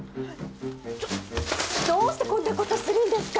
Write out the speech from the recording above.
ちょっどうしてこんな事するんですか！？